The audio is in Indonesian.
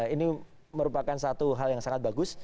ini merupakan satu hal yang sangat bagus